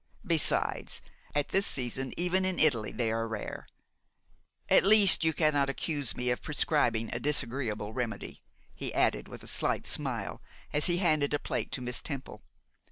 Besides, at this season, even in Italy they are rare. At least \ you cannot accuse me of prescribing a disagreeable remedy,' he added with a slight smile, as he handed a plate to Miss Temple.